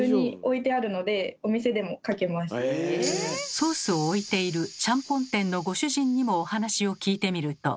ソースを置いているちゃんぽん店のご主人にもお話を聞いてみると。